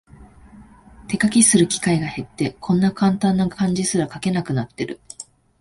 手書きする機会が減って、こんなカンタンな漢字すら書けなくなってる